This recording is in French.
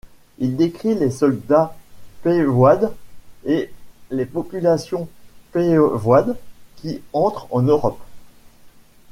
Il décrit les soldats Payvoides et les populations Payvoides qui entrent en Europe.